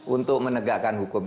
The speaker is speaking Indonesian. untuk menegakkan hukum